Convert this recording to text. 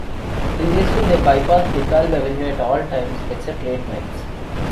Previously, they bypassed DeKalb Avenue at all times except late nights.